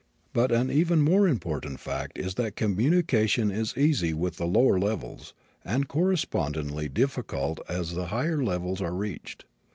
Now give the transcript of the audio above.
But an even more important fact is that communication is easy with the lower levels and correspondingly difficult as the higher levels are reached.